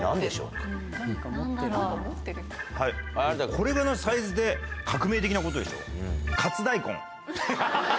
これぐらいのサイズで革命的なことでしょ？